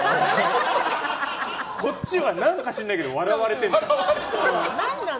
こっちは何か知らないけど笑われてるんだよ。